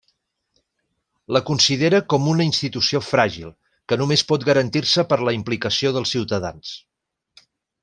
La considera com una institució fràgil, que només pot garantir-se per la implicació dels ciutadans.